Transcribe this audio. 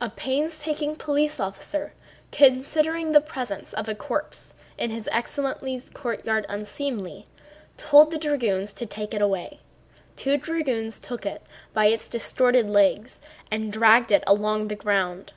A painstaking police officer, considering the presence of a corpse in his excellency's courtyard unseemly, told the dragoons to take it away. Two dragoons took it by its distorted legs and dragged it along the ground.